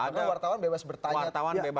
wartawan bebas bertanya